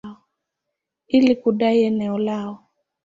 ili kudai eneo lao.